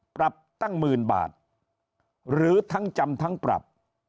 ปรับตั้งหมื่นบาทหรือทั้งจำทั้งปรับ